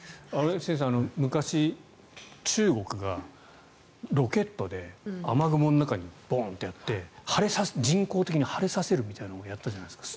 先生昔、中国がロケットで雨雲の中にボーンとやって人工的に晴れさせるみたいなのをやったじゃないですか。